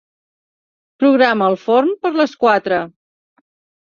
Programa el forn per a les quatre.